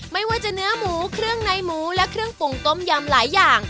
ไม่ว่าจะเนื้อหมูเครื่องในหมูและเครื่องปรุงต้มยำหลายอย่าง